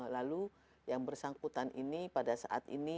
lalu yang bersangkutan ini pada saat ini